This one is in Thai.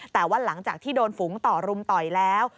แต่ว่าหลังจากที่โดนฝูงต่อรุมต่อยแล้ว